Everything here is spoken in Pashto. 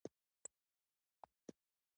د استاد ږغ د علم درس دی.